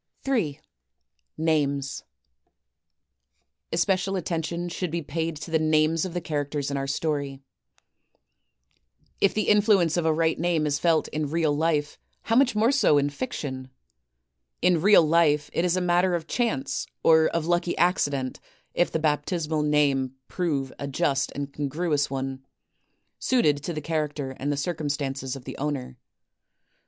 J. Names Especial attention should be paid to the names of the characters in our story. If the influence of a right name is felt in real life, how much more so in fiction ! In real life it is a matter of chance or of lucky accident if the baptismal name prove a just and con gruous one, suited to the character and the circumstances of the owner.